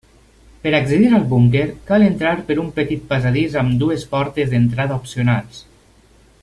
Per accedir al búnquer, cal entrar per un petit passadís amb dues portes d'entrada opcionals.